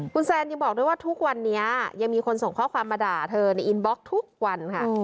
คุณแซนยังบอกด้วยว่าทุกวันนี้ยังมีคนส่งข้อความมาด่าเธอในอินบล็อกทุกวันค่ะ